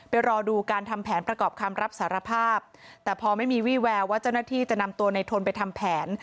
รอดูการทำแผนประกอบคำรับสารภาพแต่พอไม่มีวี่แววว่าเจ้าหน้าที่จะนำตัวในทนไปทำแผน